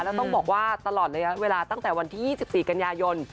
แล้วต้องบอกว่าตลอดระยะเวลาตั้งแต่วันที่๒๔กันยายน